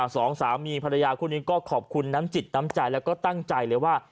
สองสามีภรรยาคู่นี้ก็ขอบคุณน้ำจิตน้ำใจแล้วก็ตั้งใจเลยว่า